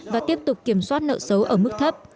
và tiếp tục kiểm soát nợ xấu ở mức thấp